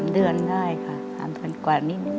๓เดือนได้ค่ะ